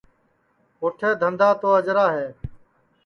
اوٹھے دھندا تو اجرا ہے